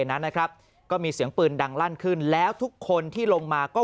นั้นนะครับก็มีเสียงปืนดังลั่นขึ้นแล้วทุกคนที่ลงมาก็